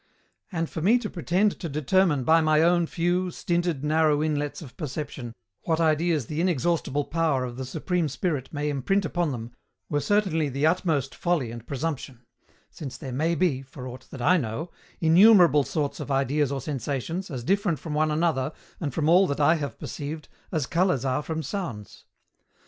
And for me to pretend to determine by my own few, stinted narrow inlets of perception, what ideas the inexhaustible power of the Supreme Spirit may imprint upon them were certainly the utmost folly and presumption since there may be, for aught that I know, innumerable sorts of ideas or sensations, as different from one another, and from all that I have perceived, as colours are from sounds.